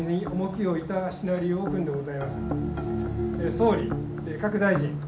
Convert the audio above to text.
総理各大臣。